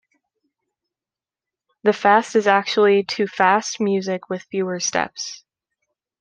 The fast is actually to fast music with fewer steps.